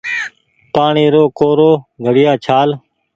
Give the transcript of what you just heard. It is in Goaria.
پآڻيٚ رو ڪورو گھڙيآ ڇآل